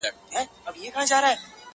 o بزه په خپل ښکر نه درنېږي.